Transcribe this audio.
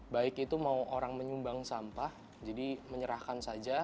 baik itu mau orang menyumbang sampah jadi menyerahkan saja